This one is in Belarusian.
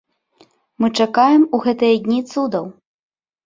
Мы чакаем у гэтыя дні цудаў.